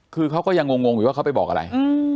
คือเขาก็ยังงงอยู่ว่าเขาไปบอกอะไร